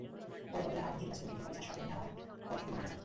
পরে বদরে আলমকে Dinajpur medical college হাসপাতালে নেওয়ার পথে তিনি মারা যান।